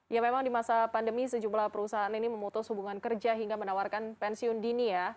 ya memang di masa pandemi sejumlah perusahaan ini memutus hubungan kerja hingga menawarkan pensiun dini ya